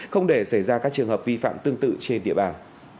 không để xảy ra các trường hợp vi phạm tương tự trên địa bàn